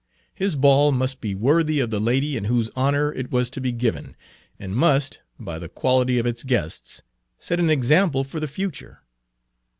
His ball must be worthy of the lady in whose honor it was to be given, and must, by the quality of its guests, set an example for the future.